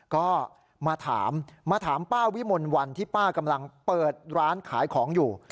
ก็มาถามมาถามป้าวิมลวันที่ป้ากำลังเปิดร้านขายของอยู่